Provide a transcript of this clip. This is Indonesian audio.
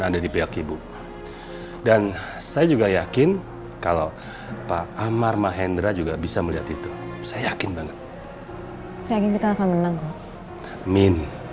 ada di pihak ibu dan saya juga yakin kalau pak amar mahendra juga bisa melihat itu saya yakin banget